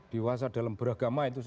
dewasa dalam beragama itu